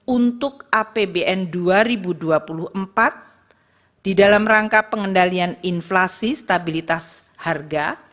untuk apbn dua ribu dua puluh empat di dalam rangka pengendalian inflasi stabilitas harga